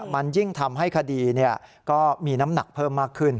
มันยิ่งทำให้คดีก็มีน้ำหนักเพิ่มมากขึ้น